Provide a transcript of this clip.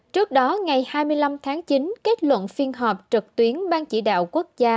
trước đó ngày hai mươi năm tháng chín kết luận phiên họp trực tuyến ban chỉ đạo quốc gia